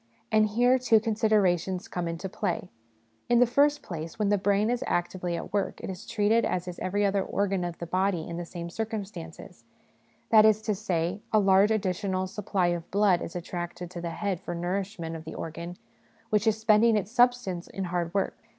And here two considerations come into play. In the first place, when the brain is actively at work it is treated as is every other organ of the body in the same circumstances ; that is to say, a large additional supply of blood is attracted to the head for the nourishment of the organ which is spending its substance in hard work.